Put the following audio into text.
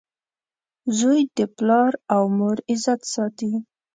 • زوی د پلار او مور عزت ساتي.